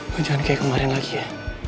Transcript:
lo jangan kayak kemarin lagi ya